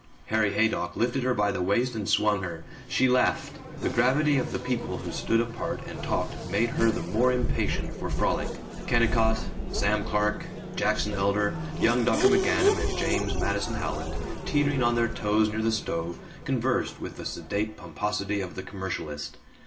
Harry Haydock lifted her by the waist and swung her. She laughed. The gravity of the people who stood apart and talked made her the more impatient for frolic. Kennicott, Sam Clark, Jackson Elder, young Dr. McGanum, and James Madison Howland, teetering on their toes near the stove, conversed with the sedate pomposity of the commercialist.